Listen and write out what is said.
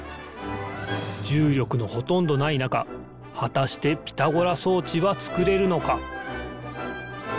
じゅうりょくのほとんどないなかはたしてピタゴラそうちはつくれるのか？